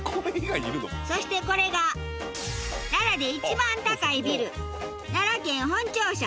そしてこれが奈良で一番高いビル奈良県本庁舎。